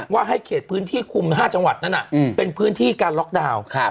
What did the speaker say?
ว่าให้เขตพื้นที่คุม๕จังหวัดนั้นเป็นพื้นที่การล็อกดาวน์